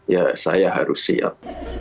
ya saya harus siap